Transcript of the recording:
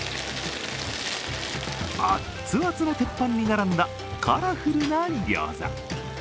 熱々の鉄板に並んだカラフルなギョーザ。